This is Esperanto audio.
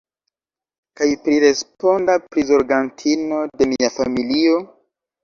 Kaj priresponda prizorgantino de mia familio?